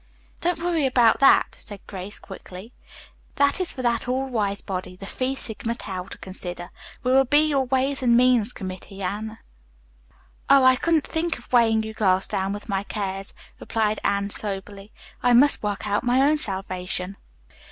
"Don't worry about that," said Grace quickly. "That is for that all wise body, the Phi Sigma Tau, to consider. We will be your ways and means committee, Anna." "Oh, I couldn't think of weighing you girls down with my cares," replied Anne soberly. "I must work out my own salvation."